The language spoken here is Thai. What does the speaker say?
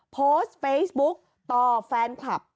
โพสต์เฟซบุ๊กต่อแฟนคลับ